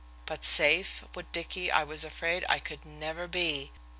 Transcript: But "safe" with Dicky I was afraid I could never be.